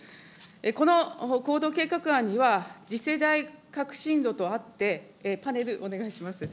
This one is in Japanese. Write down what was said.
この行動計画案には、次世代革新炉とあって、パネル、お願いします。